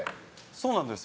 そうなんです。